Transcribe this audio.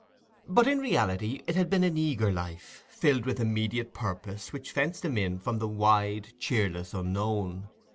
But in reality it had been an eager life, filled with immediate purpose which fenced him in from the wide, cheerless unknown.